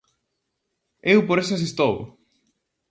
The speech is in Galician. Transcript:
Eu por esas estou!